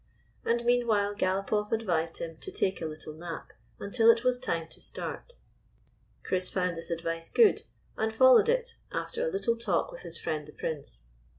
And meanwhile Galopoff advised him to take a little nap until it was time to start. Chrrs found this advice good, and followed it, after a little talk with his friend the Prince.